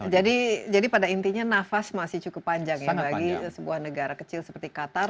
pada intinya nafas masih cukup panjang ya bagi sebuah negara kecil seperti qatar